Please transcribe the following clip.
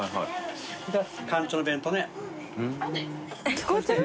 聞こえてる？